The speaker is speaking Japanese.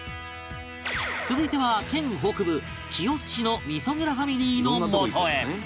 続いては県北部清須市の味噌蔵ファミリーのもとへ